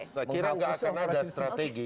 saya kira nggak akan ada strategi